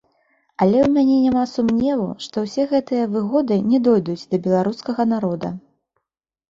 Але ў мяне няма сумневу, што ўсе гэтыя выгоды не дойдуць да беларускага народа.